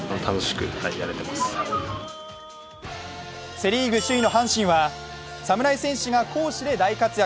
セ・リーグ首位の阪神は侍戦士が攻守で大活躍。